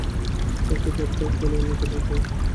ওকে, বাদ দাও, চলো অন্য কোথাও যাই।